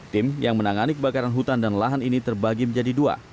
tim yang menangani kebakaran hutan dan lahan ini terbagi menjadi dua